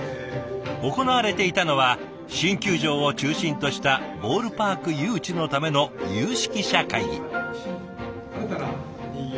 行われていたのは新球場を中心としたボールパーク誘致のための有識者会議。